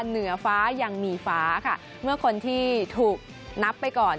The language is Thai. เหนือฟ้ายังมีฟ้าค่ะเมื่อคนที่ถูกนับไปก่อน